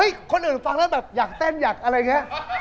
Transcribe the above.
คนอื่นฟังแล้วแบบอยากเต้นอยากอะไรอย่างนี้